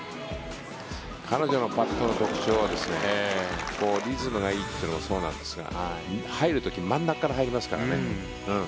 彼女のパットの特徴はリズムがいいというのもそうなんですが入る時真ん中から入りますからね。